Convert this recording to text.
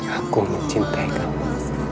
aku mencintai kamu